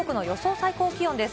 最高気温です。